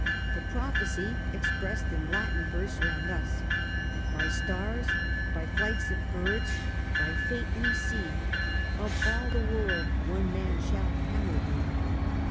The Prophecy, expressed in Latin verse, ran thus :" By stars, by flights of birds, by fate we see Of all the world one man shall hammer be.